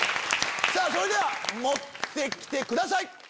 それでは持って来てください！